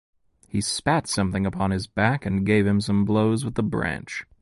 He spat something upon his back and gave him some blows with the branch.